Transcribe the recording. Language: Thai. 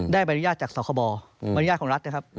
ได้บริญญาติจากสาวคบบริญญาติของรัฐนะครับ